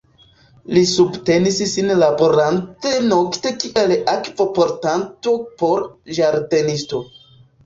Li subtenis sin laborante nokte kiel akvo-portanto por ĝardenisto.